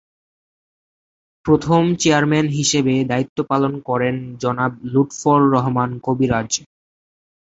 প্রথম চেয়ারম্যান হিসেবে দায়িত্ব পালন করেন জনাব লুৎফর রহমান কবিরাজ।